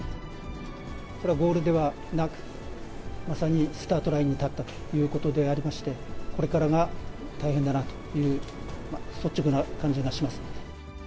これはゴールではなく、まさにスタートラインに立ったということでありまして、これからが大変だなという率直な感じがします。